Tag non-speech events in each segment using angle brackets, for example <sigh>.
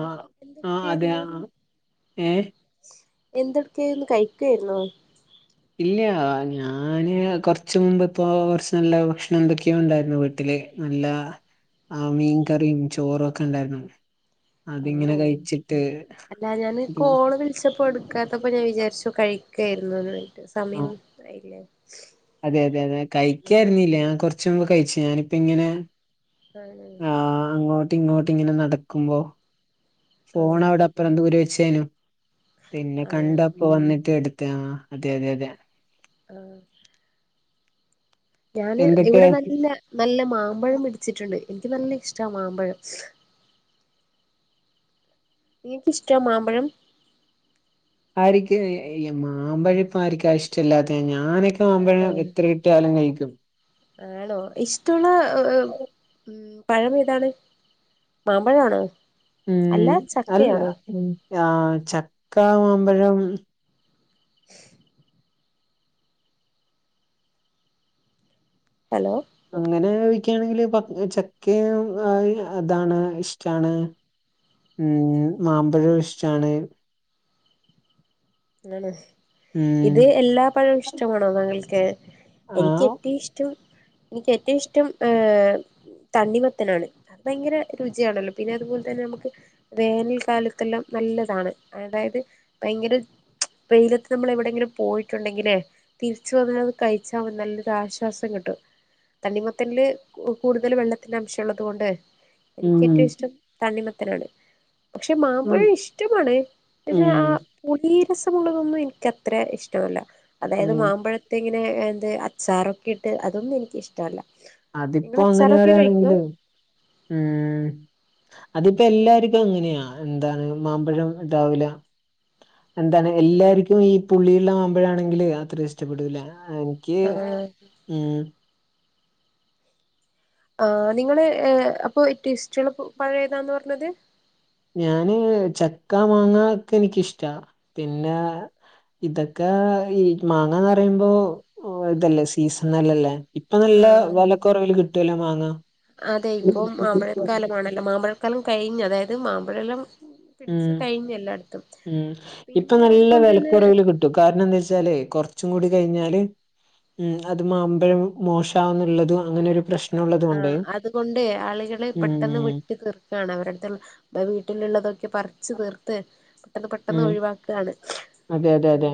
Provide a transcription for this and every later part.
ആഹ് ആഹ് അതെ എന്തെടുക്കായിരുന്നു ആഹ് ഏ എന്തൊക്കയിരുന്ന് കയിക്കുവായിരുന്നോ ഇല്ല്യ ഞാന് കൊറച്ച് മുമ്പ് ഇപ്പോ കുറച്ച് നല്ല ഭക്ഷണം എന്തൊക്കെയോ ഉണ്ടായിരുന്നു വീട്ടില് നല്ല ആ മീൻ കറിയും ചോറും ഒക്കെ ഉണ്ടായിരുന്നു അതിങ്ങനെ ആണോ കഴിച്ചിട്ട് അല്ല ഞാന് ഇ കോള് വിളിച്ചപ്പോ എടുക്കാത്തപ്പോ ഞാൻ വിചാരിച്ചു കഴിക്കു ആഹ് വേര്നന്ന് <inaudible> അതെ അതെ അതെ കഴിക്കായിരുന്നില്ല ഞാൻ കുറച്ച് മുമ്പ് കഴിച്ചു ഞാനിപ്പ ഇങ്ങനെ ആണ് ആ അങ്ങോട്ട് ഇങ്ങോട്ട് ഇങ്ങനെ നടക്കുമ്പോ ഫോൺ ആഹ് അവിടെ അപ്പറം ദൂരെ വച്ചേനു പിന്നെ ആണോ കണ്ടപ്പ വന്നിട്ട് എടു ത്ത്. അതെ ആ അതെ അതെ അതെ <inaudible> ഞാന് ഇവിടെ എന്തൊക്കെ നല്ല നല്ല മാമ്പഴം പിടിച്ചിട്ടുണ്ട് എനിക്ക് നല്ല ഇഷ്ടാ മാമ്പഴം നീക്ക് ഇഷ്ട മാമ്പഴം ആര്ക്ക്. മാമ്പഴം ഇപ്പ ആരിക്കാ ഇഷ്ട്ടില്ലാതെ ഞാനൊക്കെ ആണോ മാമ്പഴം എത്ര കിട്ടിയാലും കഴിക്കും ആണോ ഇഷ്ട്ടോളോ ഉം പഴം വീട്ടാണ് മാമ്പഴ ആണ് ഉം അല്ല ഉം ആഹ് ചക്കമാമ്പഴം ഹലോ അങ്ങനെ ഒയ്ക്യായാണെങ്കില് പ ചക്കെ അതാണ് ഇഷ്ടാണ് ഉം മാമ്പഴോ ഇഷ്ടാണ് <inaudible> ഉം ഇത് എല്ലാ പഴവും ഇഷ്ട്ടാണോ താങ്കൾക്ക് ആ എനിക്ക് ഏറ്റം ഇഷ്ടം എനിക്ക് ഏറ്റവും ഇഷ്ടം ഏഹ് തണ്ണി മത്തനാണ് ഭയങ്കര രുചിയാണല്ലോ പിന്നെ അതുപോൽത്തന്നെ നമക്ക് വേനൽക്കാലത്തെല്ലാം നല്ലതാണ് അതായത് ത് ഭയങ്കര വെയിലത്ത് നമ്മള് എവിടെയെങ്കിലും പോയിട്ടുണ്ടെങ്കിലേ തിരിച്ച് വന്ന് അത് കഴിച്ചാ മതി നല്ലൊരു ആശ്വാസം ക്കിട്ടും. തണ്ണിമത്തന്ല് കൂടുതല് വെള്ളത്തിന്റെ അംശം ഉള്ളത് കൊണ്ട് ഉം എനിക്ക് ഏറ്റവും ഇഷ്ടം തണ്ണിമത്തനാണ് പക്ഷെ ഉം മാമ്പയൊം ഇഷ്ടമാണ് പക്ഷേ ആ ഉം പുലി രസമുള്ളതൊന്നും എ ഇനിക്കത്ര ഇഷ്ടമല്ല അതായത് ഉം മാമ്പഴത്തെ ഇങ്ങനെ എന്തെ അച്ചാറൊക്കെ ഇട്ട് അതൊന്നും എനിക്കിഷ്ടല്ല അതിപ്പോ അങ്ങനെ വരാണെങ്കിലെ ഉം അതിപ്പെ എല്ലാർക്കും അങ്ങനെയാ എന്താണ് മാമ്പഴം രാവില എന്താണ് എല്ലാർക്കും ഈ പുള്ളി ഇള്ള മാമ്പഴാണെങ്കിലെ അത്ര ഇഷ്ടപ്പെടൂല ആ എനിക്ക് ആഹ് ഉം ആഹ് നിങ്ങളെ ഏ അപ്പൊ ട്ടിഷ്ട്ടള് പൊ പഴേതാന്ന് വർഞ്ഞത് ഞാന് ചക്കാ മാങ്ങാ ഒക്കെ എനിക്കിഷ്ടാ. പിന്നെ ഇതൊക്കെ ഈ മാങ്ങാന്ന് പറയുമ്പോ ഹു തല്ലേ സീസണല്ല ല്ലേ ഇപ്പം നല്ല ആഹ് വെലക്കുറവിൽ കിട്ടോല്ലോ മാങ്ങ. അതെ ഇപ്പോം മാമ്പഴക്കാലമാണല്ലോ മാമ്പഴക്കാലം കഴിഞ്ഞ്. അതായത് മാമ്പഴെല്ലം പിട്ച് ഉം കഴിഞ്ഞല്ലാ ഉം ഇപ്പം നല്ല വെലക്കുറവില് കിട്ടും. കാര്ണെന്താച്ചാലേ കൊർച്ചും കൂടി കഴിഞ്ഞാല് ഉം അത് മാമ്പഴം മോശാഉന്നുള്ളതു പ്രെശ്നൂള്ള ആഹ് അതുകൊണ്ടേ ആളുകള് പെട്ടെന്ന് വെട്ടി തീർക്കാണ് അവരട്ത് ബഹ്‌ വീട്ടില് തൊക്കെ പറിച് തീർത്തേ പെട്ടെന്ന് പെട്ടെന്ന് ഉം ഒഴിവാക്കാണ്. അതെ അതെ അതെ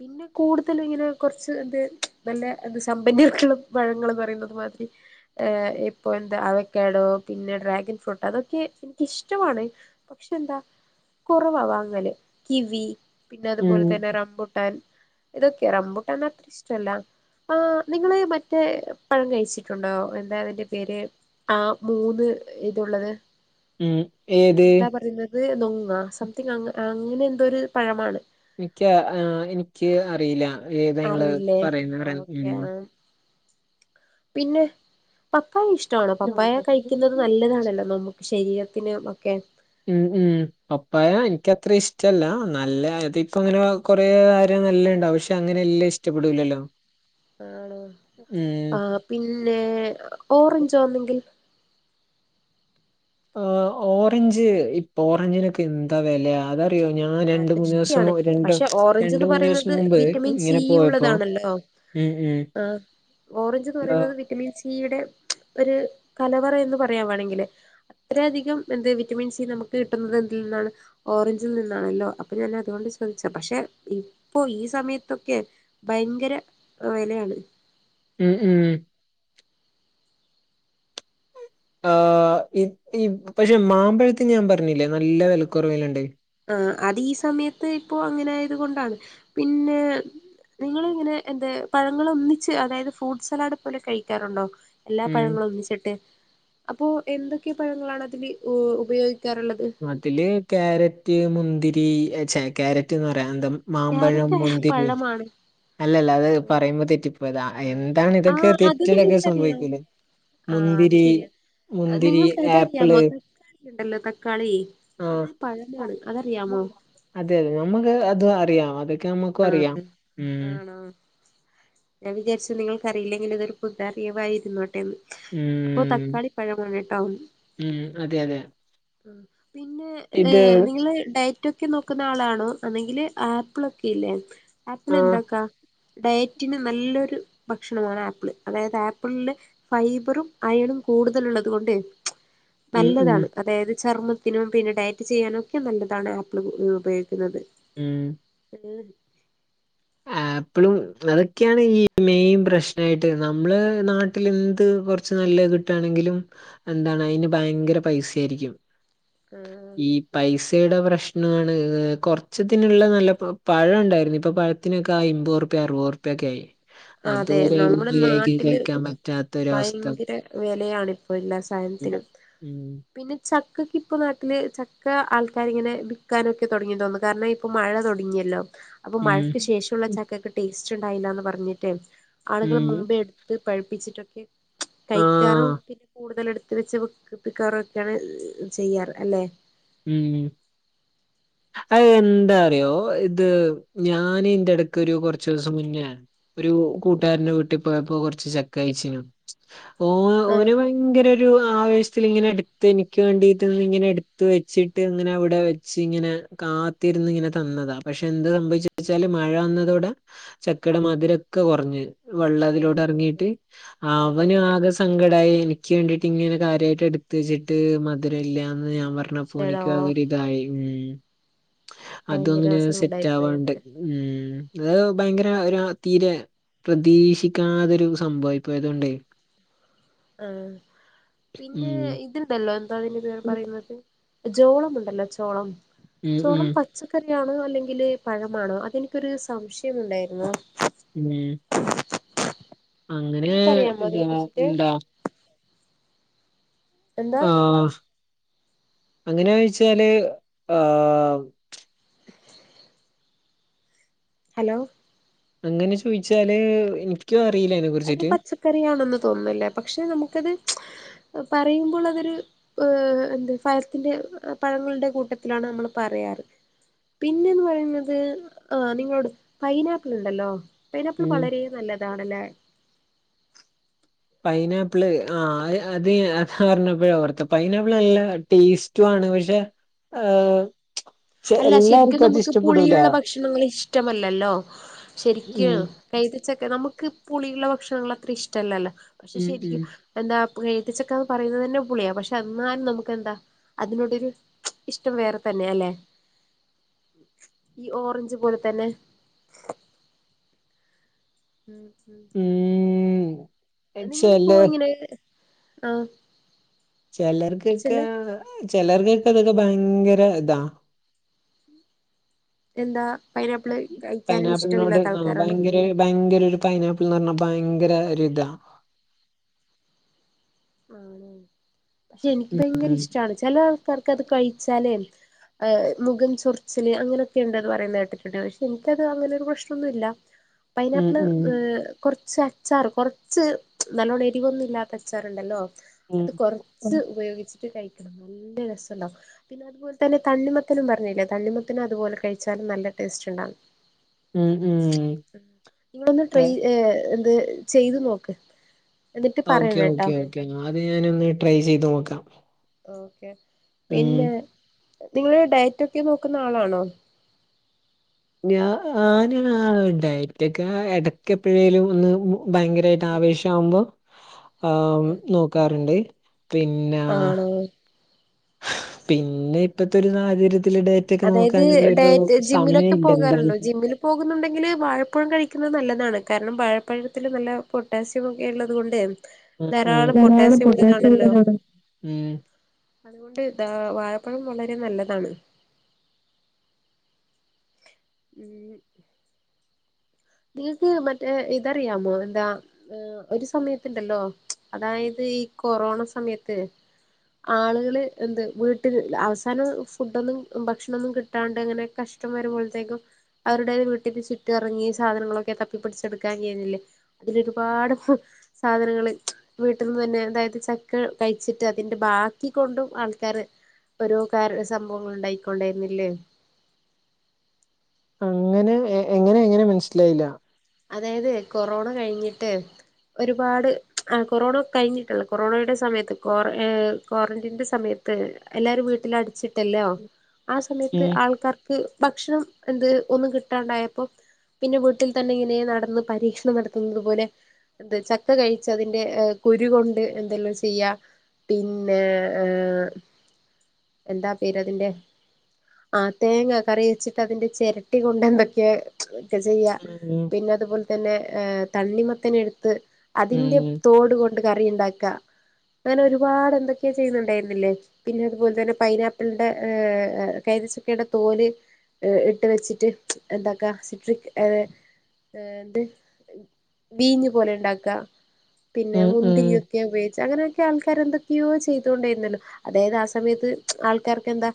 പിന്നെ കൂടുതലും ഇങ്ങനെ കൊർച്ച് എന്ത് നല്ല ത് സമ്പന്നർക്ള്ള പഴങ്ങള് പറയുന്ന പോൽ ഏഹ് ഇപ്പൊ എന്താ അവക്കാടോ പിന്നെ ഡ്രാഗൺ ഫ്രൂട്ടെ അതൊക്കെ ഇഷ്ടമാണ്. പക്ഷെ എന്താ കുറവാ വാങ്ങല്. കി വി ഉം പിന്നതുപോൽ തന്നെ റമ്പൂ ട്ടൻ ഇതൊക്കെയാണ് റംമ്പൂട്ടാൻത്ര ഇഷ്ടല്ല. ആഹ് നിങ്ങളീ മറ്റേ പഴം കഴിച്ചിട്ടുണ്ടോ? എന്താതിന്റെ പേര് ആ മൂന്ന് ഇതുള്ളത് ഉം ഏത് എന്താ പറയുന്നത് നൊങ്ങാ സംതിങ് അങ്‌ അങ്ങനെ എന്തോ ഒരു പഴമാണ്. നിക്കെ ആഹ് എനിക്ക് അറിയില്ല ഏതാ ഇങ്ങള് അറിയില്ലേ പറയുന്ന റയു ഓക്കെ ഉം ആ പിന്നെ പപ്പായ ഇഷ്ടണോ? പപ്പായ കഴിക്കുന്നത് നല്ലതാണല്ലോ നമുക്ക് ശരീര ത്തിന് ഒക്കെ ഉം ഉം പപ്പായ എനിക്ക് അത്ര ഇഷ്ടല്ല. നല്ല അതിപ്പങ്ങനെ കൊറേ കാര നല്ലഹ് ണ്ടാവു ക്ഷെ അങ്ങനെല്ലാം ഇഷ്ടപ്പെടൂല്ലല്ലോ ആണോ ആഹ് പിന്നെ ഓറഞ്ചാന്നെങ്കിൽ ആഹ് ഓറഞ്ച് ഇപ്പൊ ഓറഞ്ചിനൊക്കെ എന്താ വെല അതാ അയോ ഞാൻ രണ്ട് അത് മൂന്നു ദിവസം ശരിയാണ് ഉരുണ്ടു പക്ഷെ രണ്ടു ഓറഞ്ച്ന്ന് മൂന്നു ദിവസം പറയുന്നത് മുമ്പ് വിറ്റമിൻ സി ഇങ്ങനെ പോയപ്പൊം ഉള്ളതാണല്ലോ ഉം ഉം ആഹ് ഓറഞ്ച്ന്ന് ആ, പറയുന്നത് വിറ്റമിൻ സിയുടെ ഒരു കലവറ എന്ന് പറയാം വേ ണെങ്കിലെ അത്രയധികം എന്ത് വിറ്റമിൻ സി നമുക്ക് കിട്ടുന്നത് ന്തേ നന്ന് ഓറഞ്ചിൽ നിന്ന് ആണല്ലോ അപ്പൊ ഞാൻ അതുകൊണ്ട് ചോദിച്ചാ പക്ഷെ ഇപ്പൊ ഈ സമയത്തൊക്കെ ഭയങ്കര ആ വെലയാണേ ഉം ഉം ആ ഈ ഈ പക്ഷെ മാമ്പഴത്തിനു ഞാൻ പറഞ്ഞില്ലേ നല്ല വിലക്കുറവിലുണ്ട് ആ അത് ഈ സമയത്ത് ഇപ്പോ അങ്ങനായത് കൊണ്ടാണ് പിന്നെ നിങ്ങളിങ്ങനെ എന്തേ പഴങ്ങൾ ഒന്നിച്ച് അതായത് ഫ്രൂട്ട്സലാഡ് പോലെ കഴിക്കാറുണ്ടോ എല്ലാ ഉം പഴങ്ങളും ഒന്നിച്ചിട്ട് അപ്പോ എന്തൊക്കെ പഴങ്ങളാണ് അതിന് ഉപയോഗി അതിലെ ക്യാരറ്റ് മുന്തിരി ചെ ക്യാരറ്റ് എന്ന് പറയാൻ മാമ്പഴം ക്യാരറ്റ് മുന്തിരി പഴമാണ് അല്ലല്ല അത് പറയുമ്പോ തെറ്റിപ്പോതാ ആ എന്താണ് ഇതൊക്കെ ആഹ് അത് തെറ്റിലൊക്കെ നിങ്ങൾക്കറിയാം സംഭവിയ്ക്കൂലേ ആഹ് അത് മുന്തിരി ശരിയാ മുന്തിരി ആപ്പിളെ ണ്ടല്ലോ ത ആ അതറിയാമോ അതെതെ നമക്ക് അത് അറിയ അത ആ ആണോ ഞാൻ വിചാരിച്ചു നിങ്ങൾ അയില്ലെങ്കിൽ ഇതൊരു പുതിയ അറിയവായിരുന്നോട്ടെ അപ്പൊ ഉം തക്കാളി പഴമാണ് ട്ടോ ഉം അതെ അതെ പിന്നെ എ ഇത് നിങ്ങൾ ഡയറ്റൊക്കെ നോക്കുന്ന ആളാണോ അല്ലെങ്കിൽ ആപ്പിളൊക്കെ ല്ലേ അപ്പിള് ആഹ് എന്താക്കാ ഡയറ്റിന് നല്ലൊരു ഭക്ഷണമാണ് ആപ്പിള് അതായത് ആപ്പിളില് ഫൈബറും അയണും കൂടുതല് ഉള്ളത് കൊണ്ട് ഉം ഉം നല്ലതാണ് അതായത് ചർമ്മത്തിനും പിന്നെ ഡയറ്റ് ചെയ്യാനുമൊക്കെ നല്ലതാണ് ആപ്പിൾ ഉ ഉപയോഗിക്കുന്നത് ഉം ഉ അപിളും അതൊക്കെയാണ് ഈ മെയിൻ പ്രശ്നയിട്ട് നമ്മള് നാട്ടിൽ എന്ത് കുറച്ച് നല്ല അത് കിട്ടുവാണെങ്കിലും എന്താണ് അതിന് ഭയങ്കര പൈസ ആയിരിക്കും ആഹ് ഈ പൈസയുടെ പ്രശ്നം മാണ് കൊറച്ചത്തിനുള്ള നല്ല പഴം ഉണ്ടായിരുന്നു ഇപ്പൊ ത്തിനൊക്കെ അമ്പത് റുപിയ അറുപത് റുപിയ ഒക്കെ ആയി അഹ് അതെ അതുവരെ നമ്മുടെ മര്യാദക്ക് നാട്ടില് കഴിക്കാൻ പറ്റാത്തൊരവസ്ഥ. ഭയങ്കര വിലയാണ് ഇപ്പോ എല്ലാ സാ ഉം പിന്നെ ച ഇപ്പൊ നാട്ടില് ചക്ക ആൾക്കാരിങ്ങനെ വിൽക്കാനൊക്കെ തുടങ്ങിന്ന് തോന്നണ് കാരണം ഇപ്പൊ മഴ തൊടങ്ങിയല്ലോ അപ്പൊ മഴക്ക് ഉം ശേഷമുള്ള ചക്കക്ക് ടേസ്റ്റ് ഉണ്ടായില്ല എന്ന് പറഞ്ഞിട്ടെ ആളുകൾ ഉം മുമ്പേ എടുത്ത് പഴിപ്പിച്ചിട്ടൊക്കെ കഴക്കാറ് ആഹ് പിന്നെ കൂടുതല് എടുത്ത് <inaudible> ഒക്കെയാണ് ചെയ്യാറ് അല്ലെ ഉം <inaudible> അ എന്താറിയോ ഇത് ഞാന് ഇയിന്റെ ഇടക്ക് ഒരു കുറച്ചു ദിവസം മുന്നെ ഒരു കൂട്ടുകാരന്റെ വീട്ടി പോയപ്പോ കൊറച്ച് ചക്ക കഴിച്ചെനു ഓ ആഹ് ഓന് ഭയങ്കരൊരു ആവേശത്തിൽ ഇങ്ങനെ എടുത്ത് എനിക്ക് വേണ്ടിട്ട് ഇങ്ങനെ എടു ത്ത് വെച്ചിട്ട് ഇങ്ങനെ അവിടെ വെച്ച് ഇങ്ങനെ കാത്തിരുന്ന് ഇങ്ങനെ തന്നതാ പക്ഷെ എന്ത് സംഭവിച്ചാലും മഴ വന്നതോടെ ചക്കയുടെ മധുരൊക്കെ കുറഞ്ഞ് വെള്ളതിലോടെ ആഹ് അതെ ഇറങ്ങിയിട്ട് അതെ അവനും അതെ ആകെ സങ്കടയി എനിക്ക് വേണ്ടിട്ട് ഇങ്ങനെ കാര്യയിട്ട് എടുത്ത് വെച്ചിട്ട് മധുര ഇല്ല എന്ന് ഞ അപ്പൊ ശെടാ ഓനിക്ക് ഭയങ്കര ഇതായി ഉം ഭയങ്കര അതുങ്ങനെ സങ്കടായി സെറ്റ് പോയി അത് ആവാണ്ട് ഉം അത് ഭയങ്കര ഒരു തീരെ പ്രതീക്ഷിക്കാതൊരു സംഭവം ആയിപോയി ആതൊണ്ടെ ആ പിന്നെ ഉം ഇതുണ്ടല്ലോ എന്താതിന്റെ പേര് പറയുന്നത് ജോളമുണ്ടല്ലോ ചോളം ഉം ഉം ചോളം പച്ചക്കറി ആണ് അല്ലെങ്കില് പഴമാണോ അതെനിക്കൊരു സംശയം ഉണ്ടായിന്നു ഉം അങ്ങനെ നിങ്ങക്കറിയാമോ ഇത് അതിനെ കുറിച്ചിട്ട് എന്താ എന്താ ആഹ് അങ്ങനെ ചോയിച്ചാല് ആഹ് ഹലോ അങ്ങനെ ചോയിച്ചാല് എനിക്ക് അത് പച്ചക്കറി ആണെന്ന് തോന്നില്ല പക്ഷെ നമുക്കത് പറയുമ്പോളതോരു എന്ത് പയത്തിന്റെ പഴങ്ങളുടെ കൂട്ടത്തിലാണ് നമ്മൾ പറയാറ് പിന്നെന്ന് പറയുന്നത് ആ നിങ്ങളോട് പൈനാപ്പിൾ ഉണ്ടല്ലോ പൈനപിള് ഉം വളരെ നല്ലതാണല്ലേ പൈനാപ്പിള് ആ അത് അത് പറഞ്ഞപ്പഴ ഓർത്തെ പൈനാപ്പിൾ നല്ല ടേസ്റ്റ പക്ഷെ ആഹ് അല്ല ശരിക്കും നമുക്ക് പുളിയുള്ള ഭക്ഷണങ്ങൾ ഇഷ്ടമല്ലല്ലോ ശരിക്കും ഉം കൈ തിരിച്ചൊക്കെ നമുക്ക് പുളിയുള്ള ഭക്ഷണങ്ങൾ അത്ര ഇഷ്ടല്ലല്ലോ പക്ഷെ ഉം ഉം ശരിക്കും എന്താ എഴത്തിച്ചൊക്കെ അത് പറയുന്നത് തന്നെ പുളിയാണ് പക്ഷെ എന്നാലും നമുക്കെന്താ അതിനോടൊരു ഇഷ്ടം വേറെ തന്നെ ല്ല ഈ ഓറഞ്ച് പോലെ തന്നെ ഉ ഉം ചെല നിങ്ങളിപ്പോ ഇങ്ങനെ അ ചിലർക്കൊക്കെ ചിലർക്കൊ തൊക്കെ ഭയങ്കര ഇതാ എന്താ പൈനാപ്പ്ള് പൈനാപ്പ്ളിനോട് ആ ഭയങ്കര ഭയങ്കര ഒരു പൈനാപ്പ്ൾന്ന് പറഞ്ഞ ഭയങ്കര ഒരിത ആണ പക്ഷെ എനിക്ക് ഭയങ്കര ഇഷ്ടമാണ് ചില ആൾക്കാർക്ക് അത് കഴിച്ചാലേ മുഖം ചൊറച്ചില് അങ്ങനെയൊക്കെ ഉണ്ട്ന്ന് പറയുന്നുന്നത് കേട്ടിട്ടുണ്ട് പക്ഷെ എനിക്കത് അങ്ങനൊ ഒരു പ്രശ്നമൊന്നുമില്ല ഉം പൈനാപ്പള് ഉം കുറച്ച് അച്ചാറ് കൊറച്ച് നല്ലോണ്ണം എരിവൊന്നും ഇല്ലാത്ത അച്ചാർ ണ്ടല്ലോ അത് ഉം ഉം കുറച്ച് ഉപയോഗിച്ചിട്ട് കഴിക്കണം നല്ല രസണ്ടോ പിന്നെ അതുപോലെ തന്ന തണ്ണിമത്തനും പറഞ്ഞേ തണ്ണിമത്തനും അതുപോലെ കഴിച്ചാലും നല്ല ടേസ്റ്റ് ഉണ്ടാവും ഉം ഉം നിങ്ങളിന്ന് ട്ര ഏ, അത് ചെയ്തു നോക്ക് എന്നിട്ട് പറയണട്ടോ അദ്യം ഞാനൊന്ന് ട്രൈ ചെയ്ത് നോക്കാം ഓക്കെ ഉം പിന്നെ നിങ്ങള് ഡയറ്റ് ഒക്കെ നോക്കുന്ന ആളാണോ ഞ ആന ഉണ്ടായിറ്റൊക്കെ എടക്കപ്പഴേയിലും ഒന്ന് ഭയങ്കരായിട്ട് ആവേശ ആവുമ്പോ ആവും ആ നോക്കാറുണ്ട് പിന്ന ആണോ പിന്നെ ഇപ്പത്തെ ഒരു സാഹചര്യ അതായത് ഡറ്റ് സമയം ജിമ്മിലൊക്കെ ഇല്ല എന്താണ് പോകാറുണ്ടോ ജിമ്മിൽ പോകുന്നുണ്ടെങ്കില് വാഴപ്പുഴം കഴിക്കുന്നത് നല്ലത് ഇാണ് കാരണം പാഴപ്പഴത്തിൽ നല്ല പൊട്ടാസിയൊക്കെ ഉള്ളത് കൊണ്ട് ഉം ഉം ധാരാളം പൊട്ടാസ്യം ഉള്ളതാണല്ലോ ഉള്ളതാണ് ഉം അതുകൊണ്ട് വാഴപ അപ്പോഴും വളരെ നല്ലതാണ് ഉം നിങ്ങൾക്ക് മറ്റേ ഇതറിയാമോ എന്താ ഒരു സമയത്തണ്ടല്ലോ അതായത് ഈ കൊറോണ സമയത്ത് ആളുകള് എന്ത് വീട്ടില് അവസാന ഫുഡൊന്നും ഭക്ഷണൊന്നും കിട്ടാണ്ട് എങ്ങനെ കഷ്ട ഇഷ്ടം വരുമ്പോഴത്തേക്കും അവരുടേത് വീട്ടിൽ ചുറ്റ ഇറങ്ങി സാധനങ്ങളൊക്കെ തപ്പിപ്പിടിച്ചെടുക്കാൻ കഴന്നില്ലേ അതിലരുപാട് സാധനങ്ങൾ വീട്ടിൽ നിന്ന് തന്നെ അതായത് ചക്ക കഴിച്ചിട്ട് അതിന്റെ ബാക്കി കൊണ്ടും ആൾക്കാര് ഓരോ കാരു സംഭവങ്ങള്ള് ഉണ്ടായിക്കൊണ്ടായിരുന്നില്ലേ അങ്ങനെ എങ്ങയെങ്ങനെ മനസ്സിലായില്ല അതായത് കൊറോണ കഴിഞ്ഞിട്ട് ഒരുപാട് ആ കൊറോണ കഴിഞ്ഞിട്ടല്ല കൊറോണടെ സമയത്ത് ക്വാറ ഏഫ് ക്വാറന്റീന്റെ സമയത്ത് ത്ത് എല്ലാരും വീട്ടില് അടച്ചിട്ടല്ലോ ആ സമയത്ത് ഉം ആൾക്കാർക്ക് ഭക്ഷണം എന്ത് ഒന്നും കിട്ടാണ്ടായപ്പോ പിന്നെ വീട്ടിൽ തന്നെ ഇങ്ങനെ നെ നടന്ന് പരീക്ഷണം നടത്തുന്നത് പോലെ എന്ത ചക്ക കഴിച്ച അതിന്റെ കുരു കൊണ്ട് എന്തെല്ലോ ചെയ്യാ പിന്നെ ഏ എന്താ പേരതിൻ്റെ ആഹ് തേങ്ങ കറി വെച്ചിട്ട് അതിന്റെ ചിരട്ടി കൊണ്ട് എന്തൊക്കെയാ ഒക്കെ ചെയ്യാ ഉം പിന്നെ അതുപോലെ തന്നെ ഏഹ് തണ്ണിമത്തനെടുത്ത് അതിന്റെ ഉം തോട് കൊണ്ട് കറി ഇണ്ടാക്ക അങ്ങനെ ഒരുപാട് എന്തൊക്കെയാ ചെയ്യുന്നുണ്ടായിരുന്നില്ലേ പിന്നെ അതുപോലെ തന്നെ പൈനാപ്പിളിന്റെ ഏഹ് കരി തൈ ചക്കേടെ തോല് എ ഇട്ട് വെച്ചിട്ട് ഇണ്ടാക്ക സിട്രിക് ഏഹ് എന്ത് ബീഞ്ഞു പോലെ ഇണ്ടാക്കാ പിന്നെ ഉം ഉം മുന്തിരിയൊക്കെ ഉപയോഗിച്ച് അങ്ങനെയൊക്കെ ആൾക്കാർ എന്തൊക്കെ എന്തൊക്കെയോ ചെയ്തൊണ്ടരുന്നല്ലോ അതായത് ആ സമയത്ത് ആൾക്കാർക്കെന്താ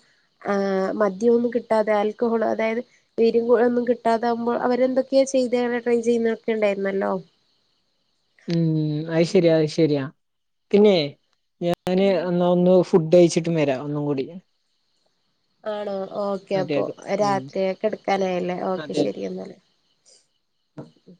ആഹ് മദ്യമൊന്നും കിട്ടാതെ ആൽക്കോഹോൾ അതായത് വീര്യം ഒന്നും കിട്ടാതാകുമ്പോൾ അവരെന്തൊക്കെയാ ചെയ്യ് ഇതേവരെ ട്രൈ ചെയ്യുന്നൊക്കെണ്ടായിരുന്നല്ലോ. ഉം അയിശെരിയാ ആയിശെരിയ പിന്നെ ഞാന് ഉം എന്നാ ഒന്ന് ഫുഡ് കഴിച്ചിട്ടും വരാ ഒന്നും കൂടി ആണോ? ഓക്കെ അതെ അപ്പോ അതെ ഉം രാത്രി ആയ കെടക്കാനായില്ലേ? ഓക്കെ അതെ ശെരി എന്നാല്. ആഹ